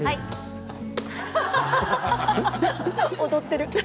踊っている。